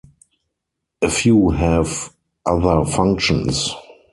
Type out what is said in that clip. A few have other functions.